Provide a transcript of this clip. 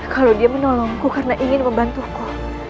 kalau dia menolongku karena ingin membantuku